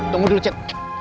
tunggu dulu cik